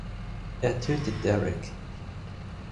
Er tötet Derek.